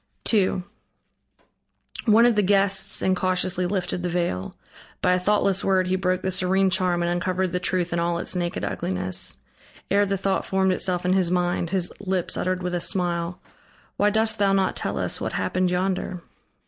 II One of the guests incautiously lifted the veil. By a thoughtless word he broke the serene charm and uncovered the truth in all its naked ugliness. Ere the thought formed itself in his mind, his lips uttered with a smile: "Why dost thou not tell us what happened yonder?"